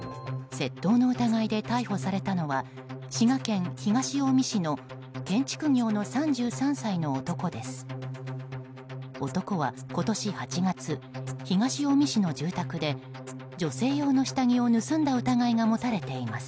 窃盗の疑いで逮捕されたのは滋賀県東近江市の建築業の３３歳の男です。